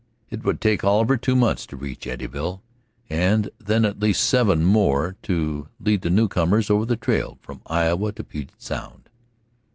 It would take Oliver two months to reach Eddyville, and then at least seven more to lead the newcomers over the trail from Iowa to Puget Sound.